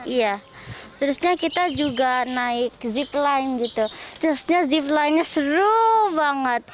iya terusnya kita juga naik zip line gitu terusnya zip line nya seru banget